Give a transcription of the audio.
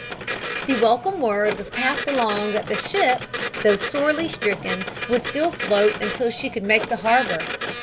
The welcome word was passed along that the ship, though sorely stricken, would still float until she could make harbor.